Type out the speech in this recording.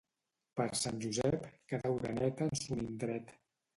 Per Sant Josep, cada oreneta en son indret